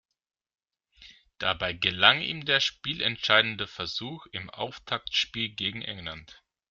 Dabei gelang ihm der spielentscheidende Versuch im Auftaktspiel gegen England.